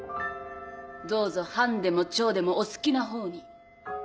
どうぞ半でも丁でもお好きな方に。